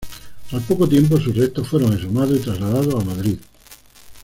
Al poco tiempo sus restos fueron exhumados y trasladados a Madrid.